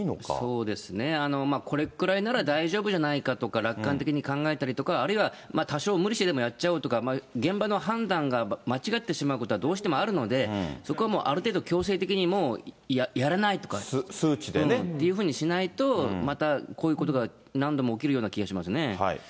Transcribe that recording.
そうですね、これぐらいなら大丈夫じゃないかとか、楽観的に考えたりとか、あるいは多少無理してでもやっちゃおうとか、現場の判断が間違ってしまうことはどうしてもあるので、そこはもう、ある程度、数値でね。というふうにしないと、またこういうことが何度も起きるような気がしますね。